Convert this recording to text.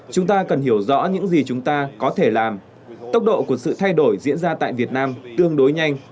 chúng ta cần hiểu rõ những gì chúng ta có thể làm tốc độ của sự thay đổi diễn ra tại việt nam tương đối nhanh